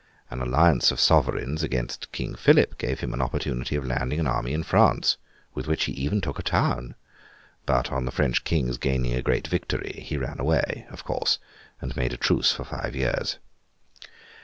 An alliance of sovereigns against King Philip, gave him an opportunity of landing an army in France; with which he even took a town! But, on the French King's gaining a great victory, he ran away, of course, and made a truce for five years.